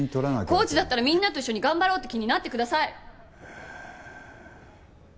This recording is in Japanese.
コーチだったらみんなと一緒に頑張ろうって気になってください！